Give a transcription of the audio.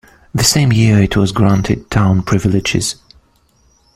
The same year it was granted town privileges.